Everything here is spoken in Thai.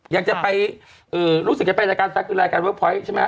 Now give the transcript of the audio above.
ยังจะไปเออรู้สึกแก่ให้ไปรายการซะคือรายการเวิร์คไพรส์ใช่ไหม